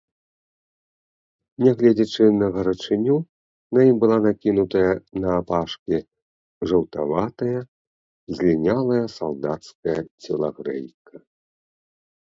Нягледзячы на гарачыню, на ім была накінутая наапашкі жаўтаватая, злінялая салдацкая целагрэйка.